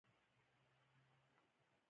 د يوې بلې نرسې غږ يې د سوچونو مزی ور پرې کړ.